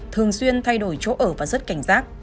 thường xuyên thay đổi chỗ ở và rất cảnh giác